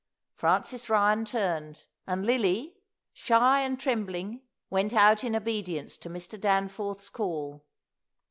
Francis Ryan turned, and Lily, shy and trembling, went out in obedience to Mr. Danforth's call.